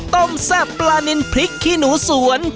ต้มแซ่บปลานินพริกขี้หนูสวน